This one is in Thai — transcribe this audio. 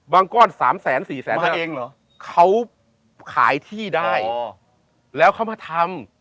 ก้อนสามแสนสี่แสนตัวเองเหรอเขาขายที่ได้แล้วเขามาทำ